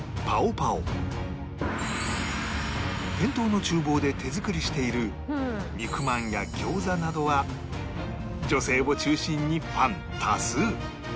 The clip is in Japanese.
店頭の厨房で手作りしている肉まんやギョーザなどは女性を中心にファン多数